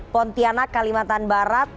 pontianak kalimantan barat